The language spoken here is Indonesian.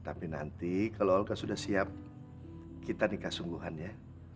tapi nanti kalau alga sudah siap kita nikah sungguhan ya